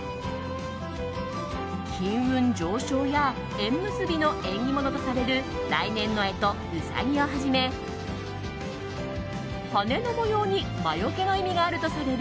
金運上昇や縁結びの縁起物とされる来年の干支、卯をはじめ羽の模様に魔よけの意味があるとされる